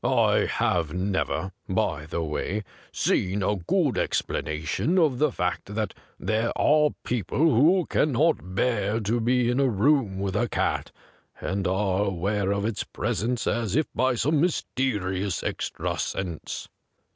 I have never, by the way, seen a good explanation of the fact that there are people who can not bear to be in a room with a cat, and are aware of its presence as if by some mysterious extra sense.